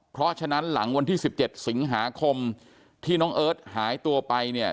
เพราะฉะนั้นหลังวันที่๑๗สิงหาคมที่น้องเอิร์ทหายตัวไปเนี่ย